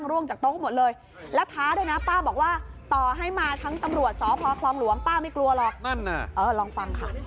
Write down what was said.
หลวงป้าไม่กลัวหรอกนั่นน่ะเออลองฟังค่ะ